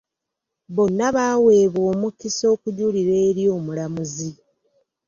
Bonna baaweebwa omukisa okujulira eri omulamuzi.